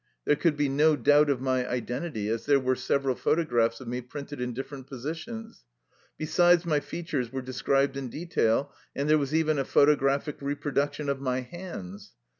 There could be no doubt of my identity as there were several photographs of me printed in different positions. Besides my features were described in detail, and there was even a photographic reproduction of my hands.